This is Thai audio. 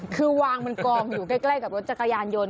คือวางมันกองอยู่ใกล้กับรถจักรยานยนต์